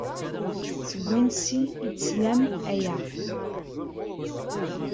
Seg wansi ay d-teslam aya?